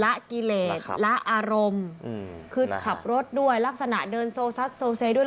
ละกิเลสละอารมณ์คือขับรถด้วยลักษณะเดินโซซัดโซเซด้วย